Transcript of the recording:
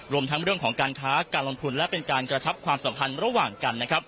รวมทั้งเรื่องของการค้าการลงทุนและเป็นการกระชับความสัมพันธ์ระหว่างกันนะครับ